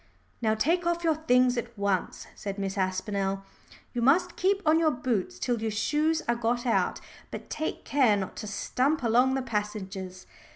"Now take off your things at once," said Miss Aspinall. "You must keep on your boots till your shoes are got out, but take care not to stump along the passages.